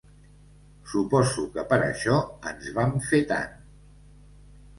Suposo que per això ens vam fer tant.